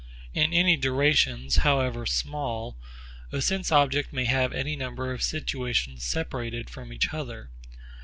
In any durations however small a sense object may have any number of situations separated from each other.